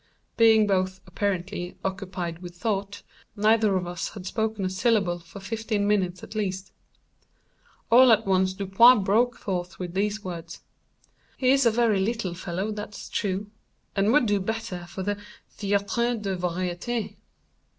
Being both, apparently, occupied with thought, neither of us had spoken a syllable for fifteen minutes at least. All at once Dupin broke forth with these words: "He is a very little fellow, that's true, and would do better for the Théâtre des Variétés."